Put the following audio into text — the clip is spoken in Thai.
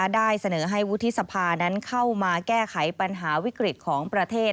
ได้เสนอให้วุฒิสภานั้นเข้ามาแก้ไขปัญหาวิกฤตของประเทศ